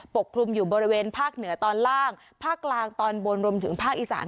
กลุ่มอยู่บริเวณภาคเหนือตอนล่างภาคกลางตอนบนรวมถึงภาคอีสาน